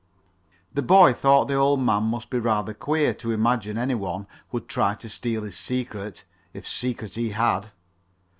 The boy thought the old man must be rather queer to imagine any one would try to steal his secret, if secret he had.